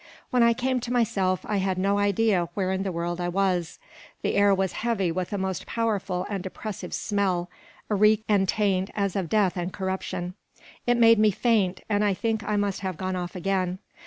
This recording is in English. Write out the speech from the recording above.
When I came to myself, I had no idea where in the world I was. The air was heavy with a most powerful and oppressive smell, a reek and taint as of death and corruption. It made me faint, and I think I must have gone off again.